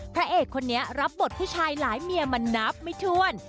พระเอกคนนี้รับบทผู้ชายหลายเมียมานับไม่ถ้วน